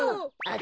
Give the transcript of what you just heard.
あ！